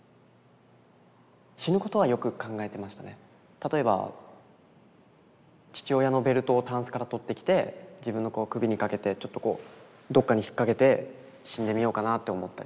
例えば父親のベルトをタンスから取ってきて自分の首にかけてちょっとこうどっかに引っ掛けて死んでみようかなって思ったり。